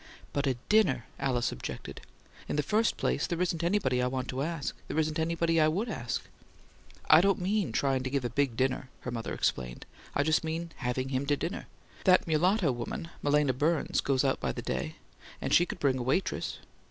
"But a dinner!" Alice objected. "In the first place, there isn't anybody I want to ask. There isn't anybody I WOULD ask." "I didn't mean trying to give a big dinner," her mother explained. "I just mean having him to dinner. That mulatto woman, Malena Burns, goes out by the day, and she could bring a waitress.